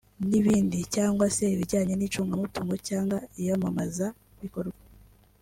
n’ibindi) cyangwa se ibijyanye n’icungamutungo cyangwa iyamamazabikorwa